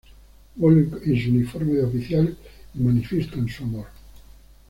Vuelven en su uniforme de oficial y manifiestan su amor.